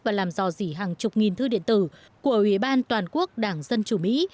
và làm dò dỉ hàng chục nghìn thư điện tử của ủy ban toàn quốc đảng dân chủ mỹ